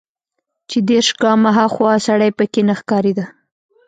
چې دېرش ګامه ها خوا سړى پکښې نه ښکارېده.